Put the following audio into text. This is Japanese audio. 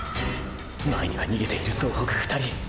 前には逃げている総北２人！！